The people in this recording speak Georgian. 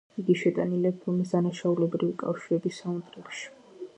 იგი შეტანილია ფილმის „დანაშაულებრივი კავშირები“ საუნდტრეკში.